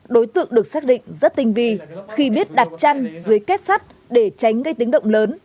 đối tượng được xác định rất tinh vi khi biết đặt chăn dưới kết sắt để tránh gây tiếng động lớn